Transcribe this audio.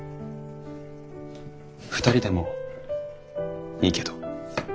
２人でもいいけど。